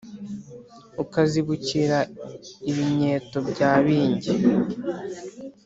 Ukazibukira ibinyeto bya binge